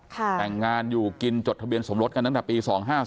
แต่งงานอยู่กินจดทะเบียนสมรสกันตั้งแต่ปี๒๕๔